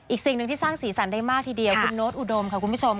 สิ่งหนึ่งที่สร้างสีสันได้มากทีเดียวคุณโน๊ตอุดมค่ะคุณผู้ชม